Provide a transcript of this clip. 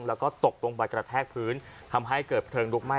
แล้วก็ตกลงไปกระแทกพื้นทำให้เกิดเพลิงลุกไหม้